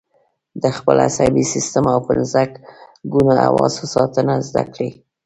د خپل عصبي سیستم او پنځه ګونو حواسو ساتنه زده کړئ.